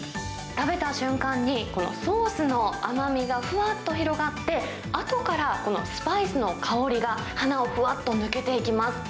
食べた瞬間に、このソースの甘みがふわっと広がって、あとからこのスパイスの香りが、鼻をふわっと抜けていきます。